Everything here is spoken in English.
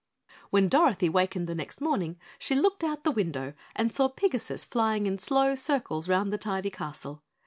When Dorothy wakened next morning she looked out the window and saw Pigasus flying in slow circles round the tidy castle.